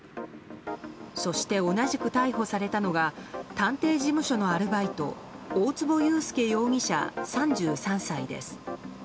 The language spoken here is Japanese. そして同じく逮捕されたのが探偵事務所のアルバイト大坪裕介容疑者、３３歳です。